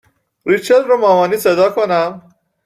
ریچل رو مامانی صدا کنم